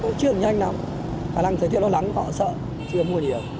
cũng chưa được nhanh nào khả năng thời tiết nó lắng họ sợ chưa mua nhiều